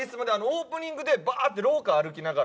オープニングでバッて廊下歩きながら。